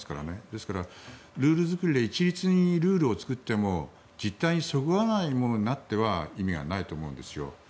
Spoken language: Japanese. ですから、ルール作りで一律にルールを作っても実態にそぐわないものになっては意味がないと思うんです。